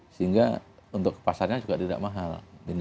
sehingga untuk ke pasarnya juga tidak mahal